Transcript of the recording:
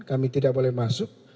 kami tidak boleh masuk